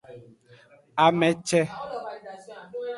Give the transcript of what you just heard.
Ame ce.